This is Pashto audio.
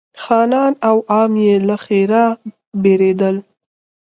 خانان او عوام یې له ښرا بېرېدل.